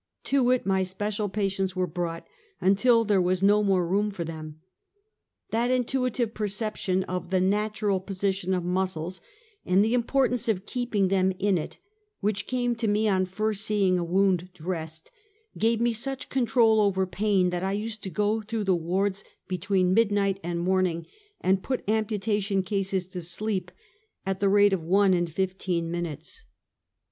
To it my special patients were brought, until there was no more room for them. That intuitive perception of the natural position of muscles, and the importance of keeping them in it, which came to me on first seeing a wound dressed, gave me such control over pain that I used to go through the wards between midnight and morning and put ampu tation cases to sleep at the rate of one in fifteen min utes.